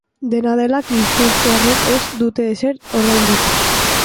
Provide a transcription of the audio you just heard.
Dena dela, gipuzkoarrek ez dute ezer ordainduko.